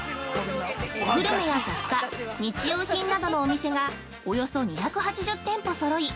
グルメや雑貨日用品などのお店がおよそ２８０店舗そろい